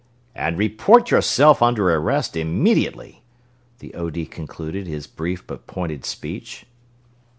"... and report yourself under arrest immediately!" the O. D. concluded his brief but pointed speech.